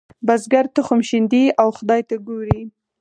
بزګر تخم شیندي او خدای ته ګوري.